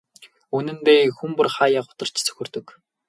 Үнэндээ хүн бүр хааяа гутарч цөхөрдөг.